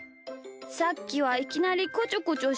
さっきはいきなりこちょこちょしてごめん。